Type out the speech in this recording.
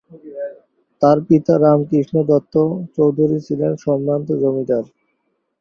তার পিতা রামকৃষ্ণ দত্ত চৌধুরী ছিলেন সম্ভ্রান্ত জমিদার।